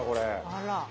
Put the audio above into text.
あら。